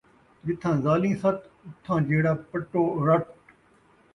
جتھاں ذالیں ست، اُتھاں جھیڑا پٹوڑٹ